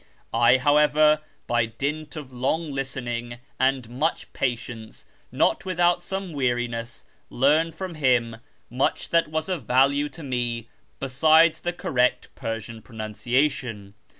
I, however, by dint of long listening and much patience, not without some weariness, learned from him much that was of value to me besides the correct Persian pronuncia tion.